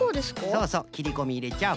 そうそうきりこみいれちゃう。